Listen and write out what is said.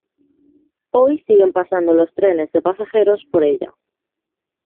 Hoy siguen pasando los trenes de pasajeros por ella.